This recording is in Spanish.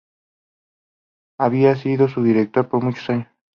Había sido su director por muchos años.